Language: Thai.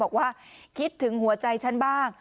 บอกว่าคิดถึงหัวใจฉันบ้าง